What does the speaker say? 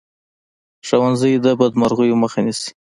ښوونځی د بدمرغیو مخه نیسي